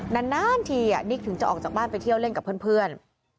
นานทีนิกถึงจะออกจากบ้านไปเที่ยวเล่นกับเพื่อน